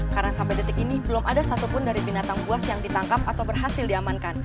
karena sampai detik ini belum ada satupun dari binatang buas yang ditangkap atau berhasil diamankan